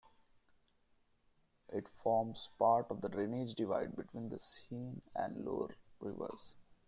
It forms part of the drainage divide between the Seine and Loire rivers.